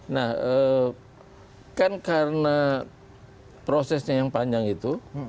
nah kan karena prosesnya yang panjang itu